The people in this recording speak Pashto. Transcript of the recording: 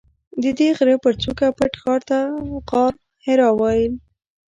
ددې غره پر څوکه پټ غار ته غارحرا ویل.